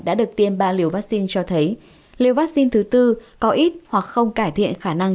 đã được tiêm ba liều vaccine cho thấy liều vaccine thứ tư có ít hoặc không cải thiện khả năng